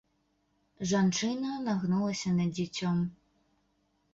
Жанчына нагнулася над дзіцём.